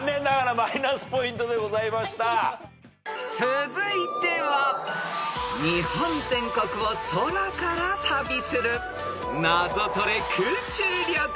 ［続いては日本全国を空から旅するナゾトレ空中旅行］